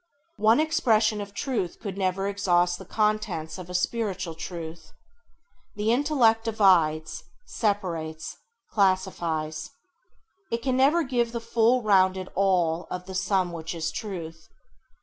One expression of truth could never exhaust the contents of a spiritual truth. The intellect divides, separates, classifies; it can never give the full rounded All of the sum which is Truth.